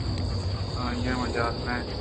آئی ءِ مجال نہ اِنت